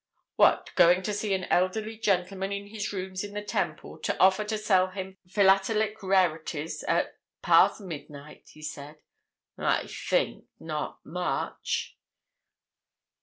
"What, going to see an elderly gentleman in his rooms in the Temple, to offer to sell him philatelic rarities at—past midnight?" he said. "I think—not much!"